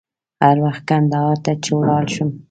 هر وخت کندهار ته چې ولاړ شم.